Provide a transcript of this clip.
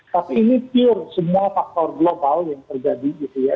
tapi ini pure semua faktor global yang terjadi gitu ya